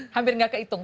hampir tidak kehitung